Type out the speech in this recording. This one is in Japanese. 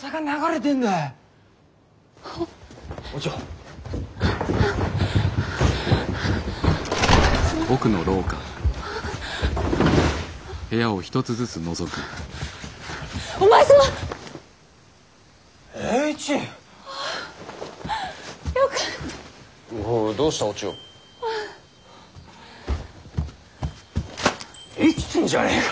生きてんじゃねぇか！